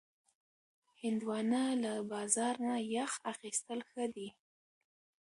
هندوانه له بازار نه یخ اخیستل ښه دي.